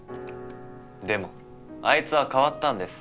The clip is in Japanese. でもあいつは変わったんです。